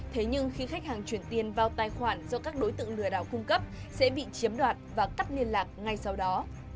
thế nhưng khi khách hàng chuyển tiền vào tài khoản do các đối tượng lừa đảo cung cấp sẽ bị chiếm đoạt và cắt liên lạc ngay sau đó